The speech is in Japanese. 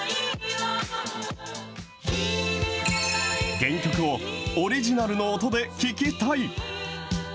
原曲をオリジナルの音で聴きたい。